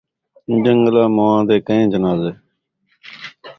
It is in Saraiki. جن٘گلاں مویاں دے کیہیں جنازے